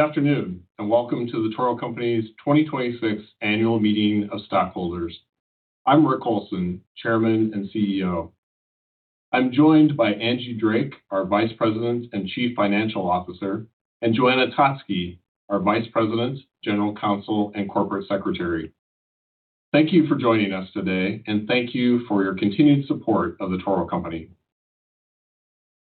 Afternoon, welcome to The Toro Company's 2026 Annual Meeting of Stockholders. I'm Rick Olson, Chairman and CEO. I'm joined by Angie Drake, our Vice President and Chief Financial Officer, and Joanna Totsky, our Vice President, General Counsel, and Corporate Secretary. Thank you for joining us today, and thank you for your continued support of The Toro Company.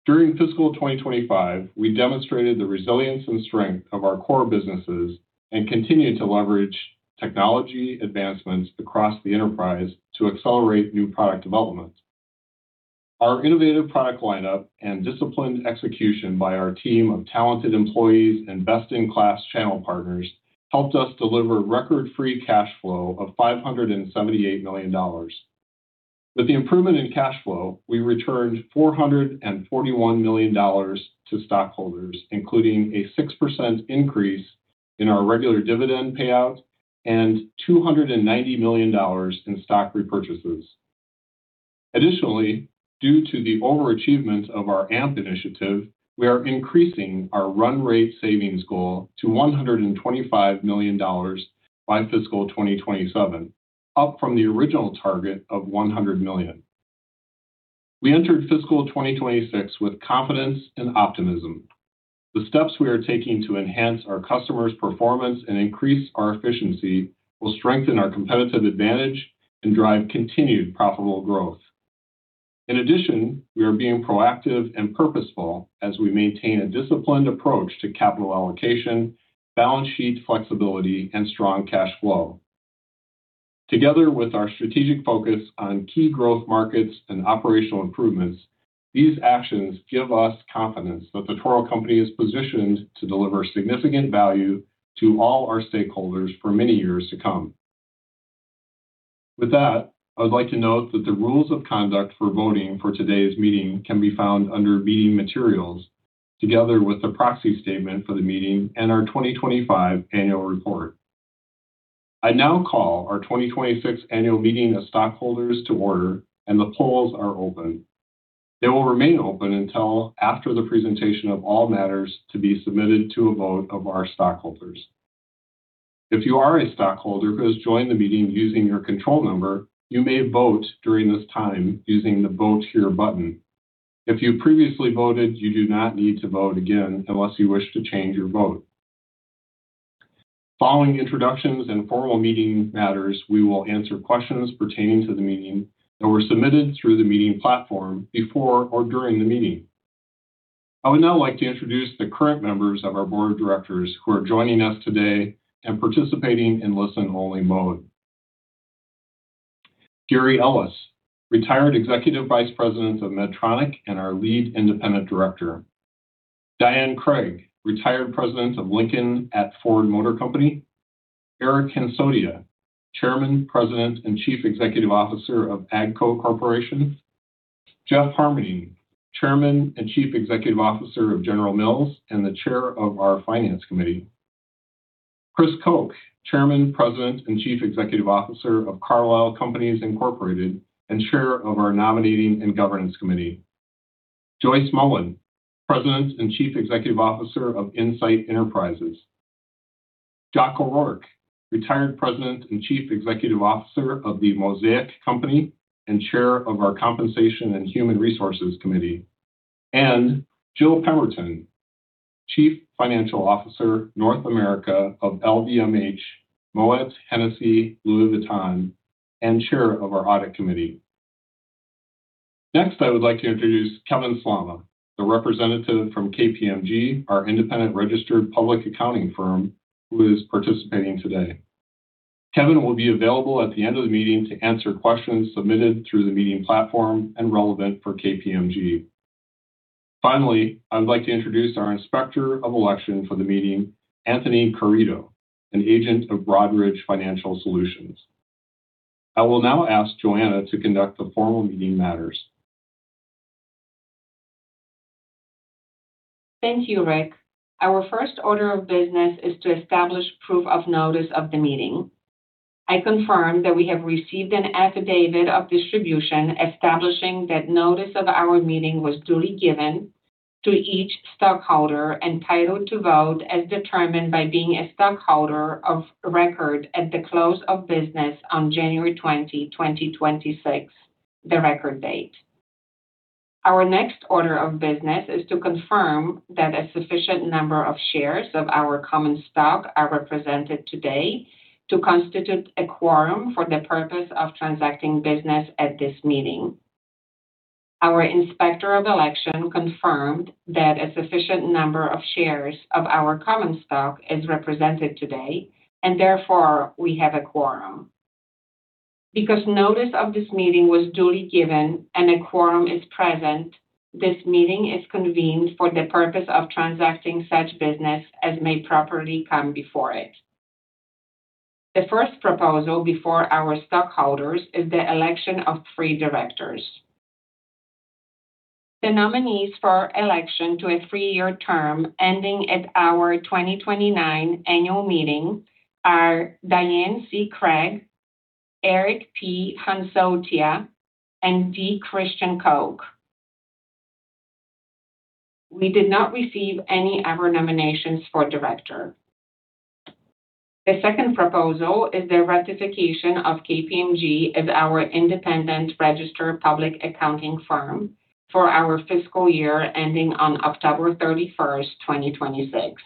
During fiscal 2025, we demonstrated the resilience and strength of our core businesses and continued to leverage technology advancements across the enterprise to accelerate new product development. Our innovative product lineup and disciplined execution by our team of talented employees and best-in-class channel partners helped us deliver record free cash flow of $578 million. With the improvement in cash flow, we returned $441 million to stockholders, including a 6% increase in our regular dividend payout and $290 million in stock repurchases. Additionally, due to the overachievement of our AMP initiative, we are increasing our run rate savings goal to $125 million by fiscal 2027, up from the original target of $100 million. We entered fiscal 2026 with confidence and optimism. The steps we are taking to enhance our customers' performance and increase our efficiency will strengthen our competitive advantage and drive continued profitable growth. In addition, we are being proactive and purposeful as we maintain a disciplined approach to capital allocation, balance sheet flexibility, and strong cash flow. Together with our strategic focus on key growth markets and operational improvements, these actions give us confidence that The Toro Company is positioned to deliver significant value to all our stakeholders for many years to come. With that, I would like to note that the rules of conduct for voting for today's meeting can be found under Meeting Materials, together with the proxy statement for the meeting and our 2025 annual report. I now call our 2026 Annual Meeting of Stockholders to order, and the polls are open. They will remain open until after the presentation of all matters to be submitted to a vote of our stockholders. If you are a stockholder who has joined the meeting using your control number, you may vote during this time using the Vote Here button. If you previously voted, you do not need to vote again unless you wish to change your vote. Following introductions and formal meeting matters, we will answer questions pertaining to the meeting that were submitted through the meeting platform before or during the meeting. I would now like to introduce the current members of our board of directors who are joining us today and participating in listen-only mode. Gary Ellis, Retired Executive Vice President of Medtronic and our Lead Independent Director. Dianne Craig, Retired President of Lincoln at Ford Motor Company. Eric Hansotia, Chairman, President and Chief Executive Officer of AGCO Corporation. Jeff Harmening, Chairman and Chief Executive Officer of General Mills and the Chair of our Finance Committee. Chris Koch, Chairman, President and Chief Executive Officer of Carlisle Companies Incorporated, and Chair of our Nominating and Governance Committee. Joyce Mullen, President and Chief Executive Officer of Insight Enterprises. Joc O'Rourke, Retired President and Chief Executive Officer of The Mosaic Company and Chair of our Compensation and Human Resources Committee. Jill Pemberton, Chief Financial Officer, North America of LVMH Moët Hennessy Louis Vuitton, and Chair of our Audit Committee. Next, I would like to introduce Kevin Slama, the representative from KPMG, our independent registered public accounting firm, who is participating today. Kevin will be available at the end of the meeting to answer questions submitted through the meeting platform and relevant for KPMG. Finally, I would like to introduce our Inspector of Election for the meeting, Anthony Carretta, an agent of Broadridge Financial Solutions. I will now ask Joanna to conduct the formal meeting matters. Thank you, Rick. Our first order of business is to establish proof of notice of the meeting. I confirm that we have received an affidavit of distribution establishing that notice of our meeting was duly given to each stockholder entitled to vote as determined by being a stockholder of record at the close of business on January 20, 2026, the record date. Our next order of business is to confirm that a sufficient number of shares of our common stock are represented today to constitute a quorum for the purpose of transacting business at this meeting. Our Inspector of Election confirmed that a sufficient number of shares of our common stock is represented today, and therefore we have a quorum. Because notice of this meeting was duly given and a quorum is present, this meeting is convened for the purpose of transacting such business as may properly come before it. The first proposal before our stockholders is the election of three directors. The nominees for election to a three-year term ending at our 2029 annual meeting are Dianne C. Craig, Eric P. Hansotia, and D. Christian Koch. We did not receive any other nominations for director. The second proposal is the ratification of KPMG as our independent registered public accounting firm for our fiscal year ending on October 31st, 2026.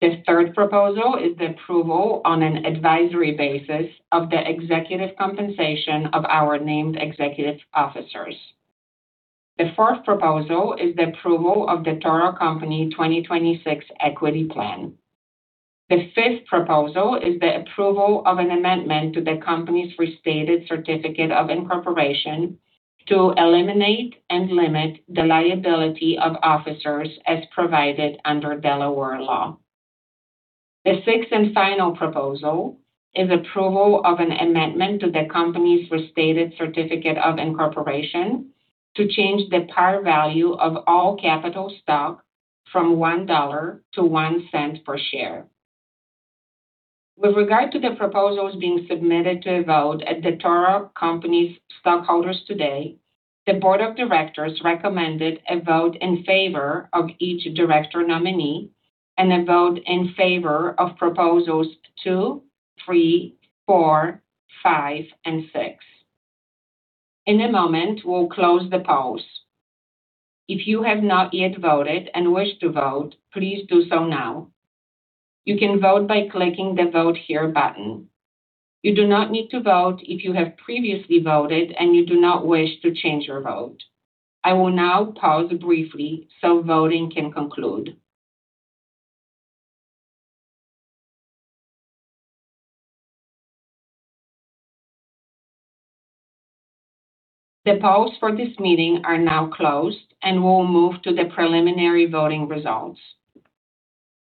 The third proposal is the approval on an advisory basis of the executive compensation of our named executive officers. The fourth proposal is the approval of The Toro Company 2026 Equity Plan. The fifth proposal is the approval of an amendment to the company's restated certificate of incorporation to eliminate and limit the liability of officers as provided under Delaware law. The sixth and final proposal is approval of an amendment to the company's restated certificate of incorporation to change the par value of all capital stock from $1 to $0.01 per share. With regard to the proposals being submitted to a vote at The Toro Company's stockholders today, the board of directors recommended a vote in favor of each director nominee and a vote in favor of proposals two, three, four, five, and six. In a moment, we'll close the polls. If you have not yet voted and wish to vote, please do so now. You can vote by clicking the Vote Here button. You do not need to vote if you have previously voted and you do not wish to change your vote. I will now pause briefly so voting can conclude. The polls for this meeting are now closed, and we'll move to the preliminary voting results.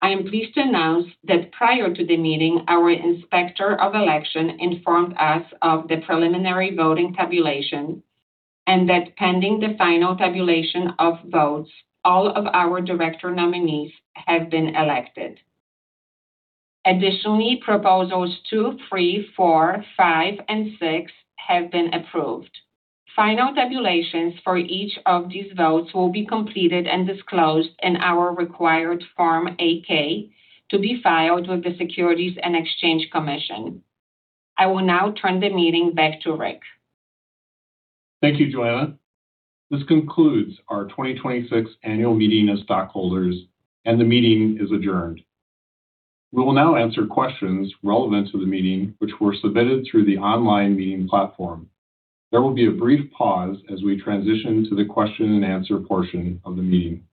I am pleased to announce that prior to the meeting, our inspector of election informed us of the preliminary voting tabulation and that pending the final tabulation of votes, all of our director nominees have been elected. Additionally, proposals two, three, four, five, and six have been approved. Final tabulations for each of these votes will be completed and disclosed in our required Form 8-K to be filed with the Securities and Exchange Commission. I will now turn the meeting back to Rick. Thank you, Joanna. This concludes our 2026 annual meeting of stockholders, and the meeting is adjourned. We will now answer questions relevant to the meeting which were submitted through the online meeting platform. There will be a brief pause as we transition to the question and answer portion of the meeting.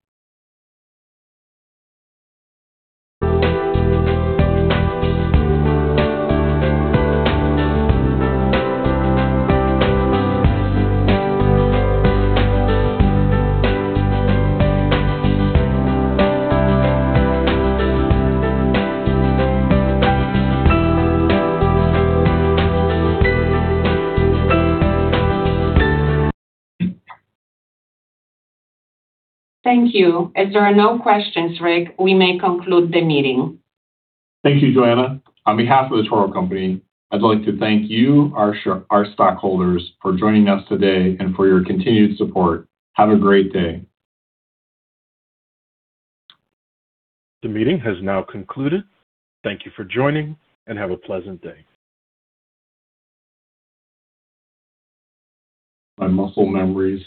Thank you. As there are no questions, Rick, we may conclude the meeting. Thank you, Joanna. On behalf of The Toro Company, I'd like to thank you, our stockholders for joining us today and for your continued support. Have a great day. The meeting has now concluded. Thank you for joining, and have a pleasant day. My muscle memory is